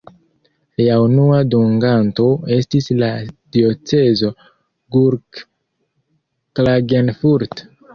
Lia unua dunganto estis la diocezo Gurk-Klagenfurt.